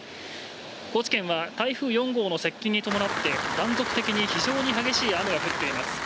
高知県は台風４号の接近に伴って、断続的に非常に激しい雨が降っています。